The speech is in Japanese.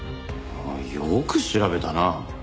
よく調べたな。